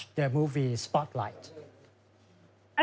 ให้ความต้นใจ